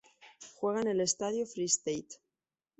Juega en el Estadio Free State.